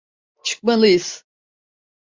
Çıkmalıyız.